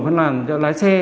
phân làng lái xe